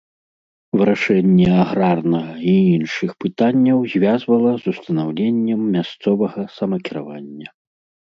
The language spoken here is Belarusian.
Вырашэнне аграрнага і іншых пытанняў звязвала з устанаўленнем мясцовага самакіравання.